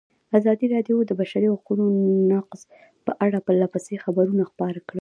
ازادي راډیو د د بشري حقونو نقض په اړه پرله پسې خبرونه خپاره کړي.